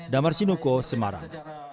damar sinuko semarang